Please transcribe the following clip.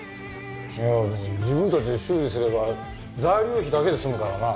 いや自分たちで修理すれば材料費だけで済むからな。